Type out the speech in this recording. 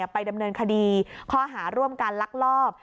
ไปดำเนินคดีข้อหาร่วมการลักลอบ